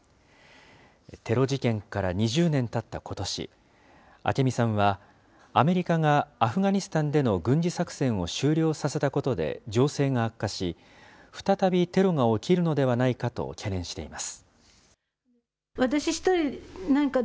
テロ事件から２０年たったことし、明美さんはアメリカがアフガニスタンでの軍事作戦を終了させたことで情勢が悪化し、再びテロが起きるのではないかと懸念しています。